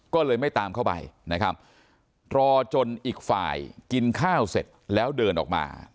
ก็เลยไม่ตามเข้าไปนะครับรอจนอีกฝ่ายกินข้าวเสร็จแล้วเดินออกมา